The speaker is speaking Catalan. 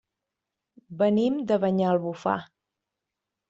Venim de Banyalbufar.